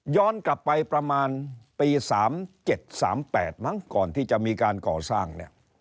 กลับไปประมาณปี๓๗๓๘มั้งก่อนที่จะมีการก่อสร้างเนี่ย